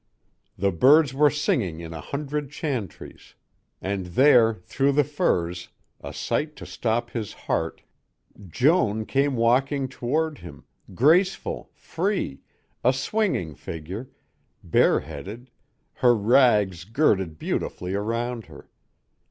The birds were singing in a hundred chantries. And there, through the firs, a sight to stop his heart, Joan came walking toward him, graceful, free, a swinging figure, bareheaded, her rags girded beautifully about her.